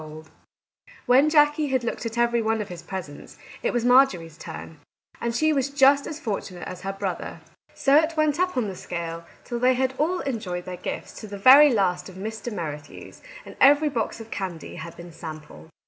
Our Little Canadian Cousin 91 When Jackie had looked at every one of his presents, it was Marjorie's turn, and she was just as fortunate as her brother. So it went on up the scale, till they had all enjoyed their gifts to the very last of Mr. Merrithew's, and every box of candy had been sampled.